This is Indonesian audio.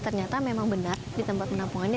ternyata memang benar di tempat penampungannya